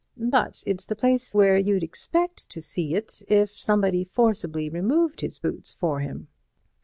But it's the place where you'd expect to see it if somebody forcibly removed his boots for him.